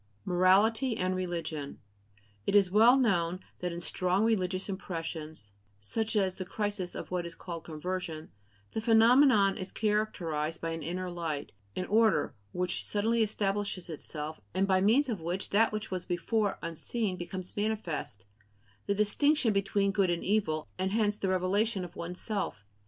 =Morality and religion=. It is well known that in strong religious impressions, such as the crises of what is called conversion, the phenomenon is characterized by "an inner light," an "order" which suddenly establishes itself, and by means of which that which was before unseen becomes manifest: the distinction between good and evil, and hence the revelation of oneself.